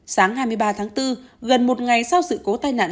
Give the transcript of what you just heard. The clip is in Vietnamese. sáng hai mươi ba tháng bốn gần một ngày sau sự cố tai nạn